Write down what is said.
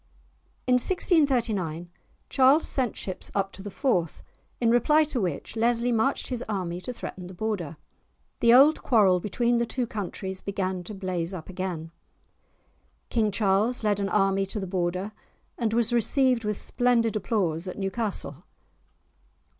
In 1639 Charles sent ships up to the Forth, in reply to which Leslie marched his army to threaten the border. The old quarrel between the two countries began to blaze up again. King Charles led an army to the border and was received with splendid applause at Newcastle.